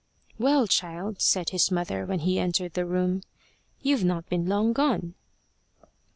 "Well, child," said his mother, when he entered the room, "you've not been long gone."